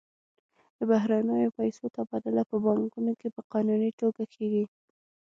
د بهرنیو پیسو تبادله په بانکونو کې په قانوني توګه کیږي.